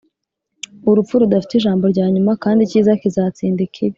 urupfu rudafite ijambo rya nyuma, kandi icyiza kizatsinda ikibi